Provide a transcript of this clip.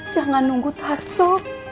jangan nunggu tarso